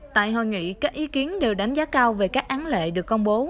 tại hội nghị các ý kiến đều đánh giá cao về các án lệ được công bố